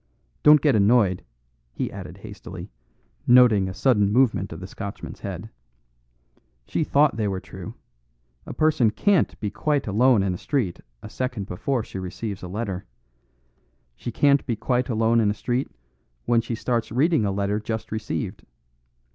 Don't get annoyed," he added hastily, noting a sudden movement of the Scotchman's head; "she thought they were true. A person can't be quite alone in a street a second before she receives a letter. She can't be quite alone in a street when she starts reading a letter just received.